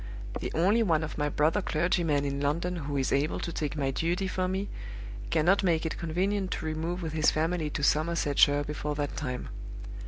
The only one of my brother clergymen in London who is able to take my duty for me cannot make it convenient to remove with his family to Somersetshire before that time.